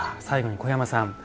最後に小山さん